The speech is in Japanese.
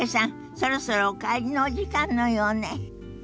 そろそろお帰りのお時間のようね。